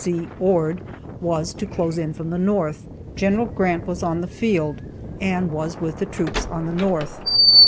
C. Ord, was to close in from the north. Gen. Grant was on the field, and was with the troops on the north.